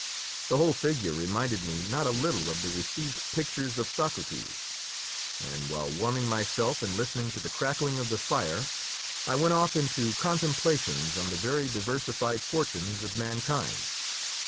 The whole figure reminded me not a little of the received pictures of Socrates, and while warming myself and listening to the crackling of the fire, I went off into contemplations on the very diversified fortunes of mankind.